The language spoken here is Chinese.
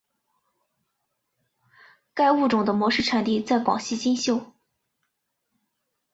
该物种的模式产地在广西金秀。